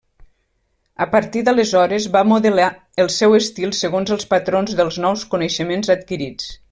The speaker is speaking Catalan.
A partir d'aleshores va modelar el seu estil segons els patrons dels nous coneixements adquirits.